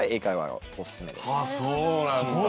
ああそうなんだ。